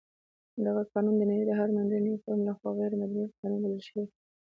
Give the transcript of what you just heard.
دغه قانون د نړۍ د هر مدني فورم لخوا غیر مدني قانون بلل شوی.